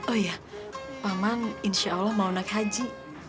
oh iya paman insya allah mau naik haji